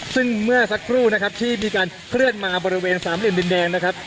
ซึ่งเมื่อสักครู่นะครับที่มีการเคลื่อนมาบริเวณสามเหลี่ยมดินแดงนะครับ